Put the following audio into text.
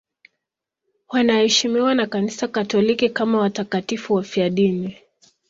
Wanaheshimiwa na Kanisa Katoliki kama watakatifu wafiadini.